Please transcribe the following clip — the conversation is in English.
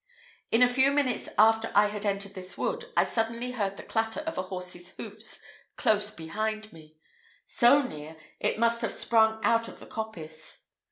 In a few minutes after I had entered this wood, I suddenly heard the clatter of a horse's hoofs close behind me so near, it must have sprung out of the coppice.